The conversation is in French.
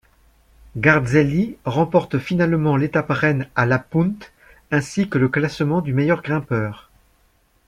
Garzelli remporte finalement l'étape-reine à La Punt ainsi que le classement du meilleur grimpeur.